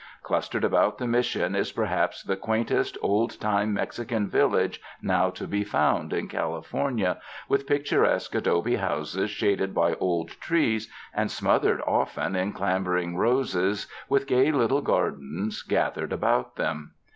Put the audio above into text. Clus tered about the Mission is perhaps the quaintest old time Mexican village now to be found in California, with picturesque adobe houses shaded by old trees and smothered often in clambering roses, with gay little gardens gathered about them.